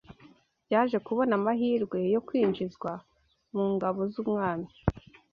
yaje kubona amahirwe yo kwinjizwa mu ngabo z’umwami